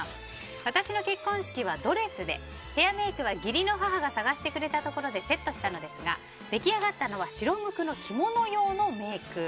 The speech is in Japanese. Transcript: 私の結婚式はドレスでヘアメイクは義理の母が探してくれたところでセットしたのですが出来上がったのは白無垢の着物用のメイク。